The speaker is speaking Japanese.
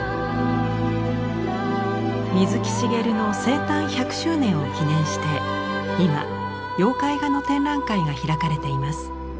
水木しげるの生誕１００周年を記念して今妖怪画の展覧会が開かれています。